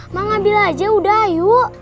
mang ambil aja udah ayo